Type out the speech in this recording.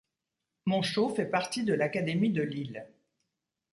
Moncheaux fait partie de l'académie de Lille.